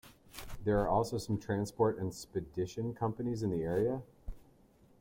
There are also some transport and spedition companies in the area.